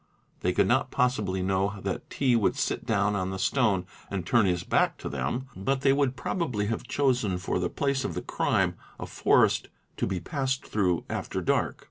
They could not possibly know that T. would sit down on the _ stone and turn his back to them, but they would probably have chosen ~ for the place of the crime a forest to be passed through after dark.